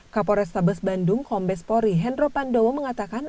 kapolres tabes bandung kombes pori hendro pandowo mengatakan